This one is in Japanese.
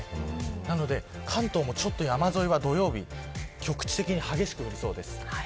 なので、関東もちょっと山沿いは土曜日局地的に激しく降りそうです。